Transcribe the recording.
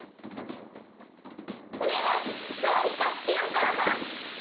お願いどうにかしてお母さん。